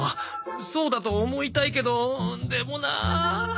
そうだと思いたいけどでもなあ。